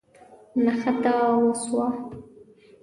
نښته وسوه.